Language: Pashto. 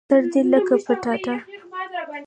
سر دي لکه پټاټه